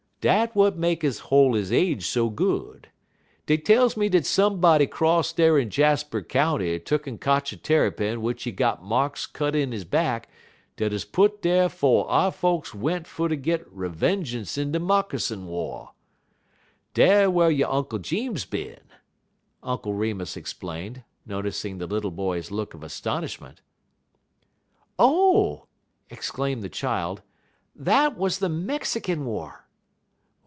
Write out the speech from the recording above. _' "Dat w'at make he hol' he age so good. Dey tells me dat somebody 'cross dar in Jasper county tuck'n kotch a Tarrypin w'ich he got marks cut in he back dat 'uz put dar 'fo' our folks went fer ter git revengeance in de Moccasin war. Dar whar yo' Unk' Jeems bin," Uncle Remus explained, noticing the little boy's look of astonishment. "Oh!" exclaimed the child, "that was the Mexican war."